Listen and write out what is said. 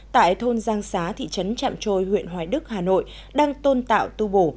tại thôn giang xá thị trấn trạm trôi huyện hoài đức hà nội đang tôn tạo tu bổ